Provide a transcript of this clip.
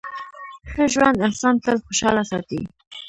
ښه ژوند انسان تل خوشحاله ساتي.